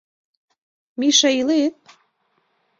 — Миша, илет?